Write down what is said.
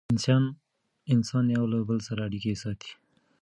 انسانان یو له بل سره اړیکې ساتي.